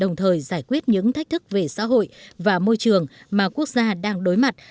đồng thời giải quyết những thách thức về xã hội và môi trường mà quốc gia đang đối mặt